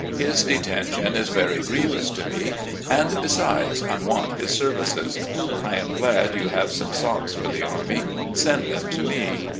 His detention is very grievous to me, and, besides, I want his services. I am glad you have some socks for the army. Send them to me.